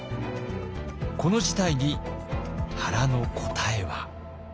この事態に原の答えは。